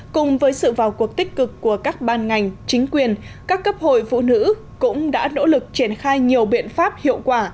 cùng với sự vào cuộc tích cực của các ban ngành chính quyền các cấp hội phụ nữ cũng đã nỗ lực triển khai nhiều biện pháp hiệu quả